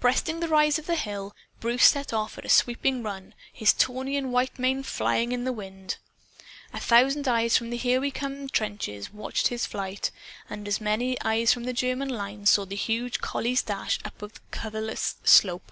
Breasting the rise of the hill, Bruce set off at a sweeping run, his tawny and white mane flying in the wind. A thousand eyes, from the Here We Come trenches, watched his flight. And as many eyes from the German lines saw the huge collie's dash up the coverless slope.